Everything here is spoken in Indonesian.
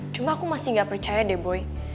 cuma aku masih gak percaya deh boy